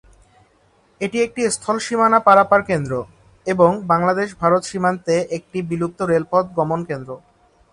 এটি একটি স্থল সীমানা পারাপার কেন্দ্র এবং বাংলাদেশ-ভারত সীমান্তে একটি বিলুপ্ত রেলপথ গমন কেন্দ্র।